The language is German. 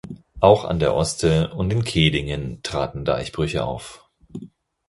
Auch an der Oste und in Kehdingen traten Deichbrüche auf.